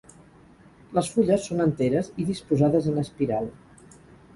Les fulles són enteres i disposades en espiral.